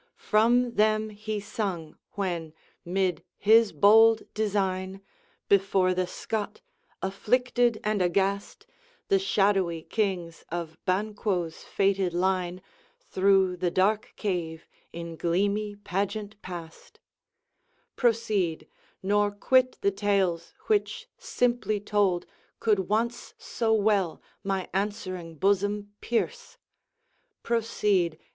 From them he sung, when, 'mid his bold design, Before the Scot afflicted and aghast, The shadowy kings of Banquo's fated line Through the dark cave in gleamy pageant passed. Proceed, nor quit the tales which, simply told, Could once so well my answering bosom pierce; Proceed!